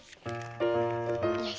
よし。